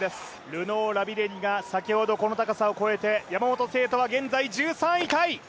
ルノー・ラビレニが先ほどこの高さを越えて山本聖途は現在１３位タイ。